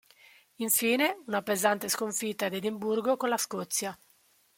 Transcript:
Infine una pesante sconfitta ad Edimburgo con la Scozia.